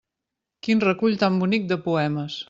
Quin recull tan bonic de poemes!